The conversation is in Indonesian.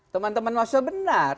teman teman maksudnya benar